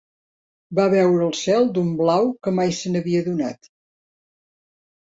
Va veure el cel d'un blau que mai se'n havia adonat